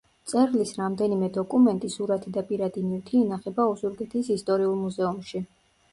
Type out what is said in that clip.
მწერლის რამდენიმე დოკუმენტი, სურათი და პირადი ნივთი ინახება ოზურგეთის ისტორიულ მუზეუმში.